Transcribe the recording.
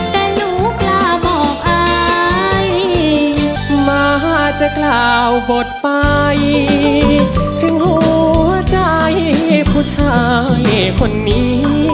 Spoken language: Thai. ถึงหัวใจผู้ชายคนนี้